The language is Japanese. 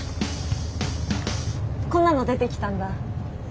こんなの出てきたんだ。